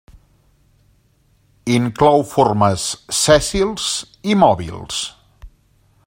Inclou formes sèssils i mòbils.